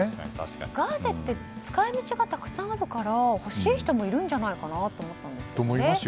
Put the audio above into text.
ガーゼって使い道がたくさんあるから欲しい人もいるんじゃないかなと思ったんですけど。